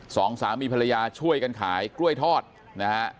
สองสามีภรรยาช่วยกันขายกล้วยทอดนะฮะ